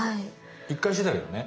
１回してたけどね。